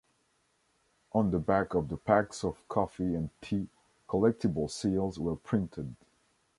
On the back of the packs of coffee and tea, collectible seals were printed.